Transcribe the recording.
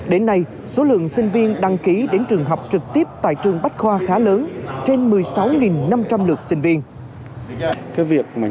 đến nay số lượng sinh viên đăng ký đến trường học trực tiếp tại trường bách khoa khá lớn trên một mươi sáu năm trăm linh lượt sinh viên